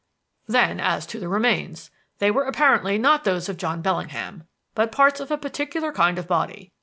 "Then as to the remains. They were apparently not those of John Bellingham, but parts of a particular kind of body.